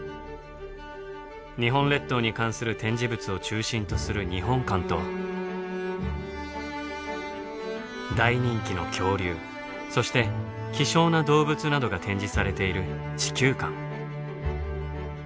日本列島に関する展示物を中心とする日本館と大人気の恐竜そして希少な動物などが展示されている地球館。